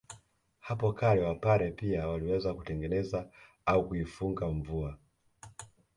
Hapo kale Wapare pia waliweza kutengeneza au kuifunga mvua